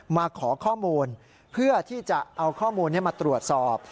มาขอข้อมูลเพื่อที่จะเอาข้อมูลนี้มาตรวจสอบ